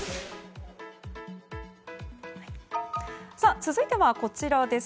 続いては、こちらです。